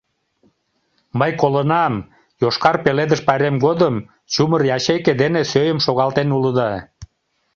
Мый колынам, Йошкар пеледыш пайрем годым чумыр ячейке дене сӧйым шогалтен улыда.